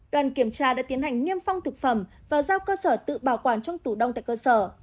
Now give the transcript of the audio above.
đoàn kiểm tra đã tiến hành niêm phong thực phẩm và giao cơ sở tự bảo quản trong tủ đông tại cơ sở